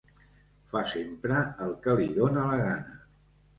Fa sempre el que li dona la gana.